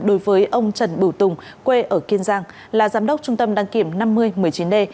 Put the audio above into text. đối với ông trần bửu tùng quê ở kiên giang là giám đốc trung tâm đăng kiểm năm mươi một mươi chín d